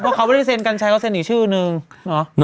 เพราะเขาไม่ได้เซ็นต์กันใช้เขาเซ็นต์อีกชื่อหนึ่งเนอะ